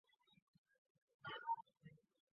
华盛顿联队是美国职业足球大联盟球队。